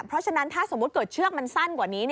เพราะฉะนั้นถ้าสมมุติเกิดเชือกมันสั้นกว่านี้